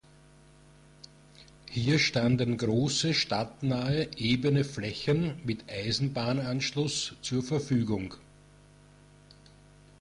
Hier standen große stadtnahe, ebene Flächen mit Eisenbahnanschluss zur Verfügung.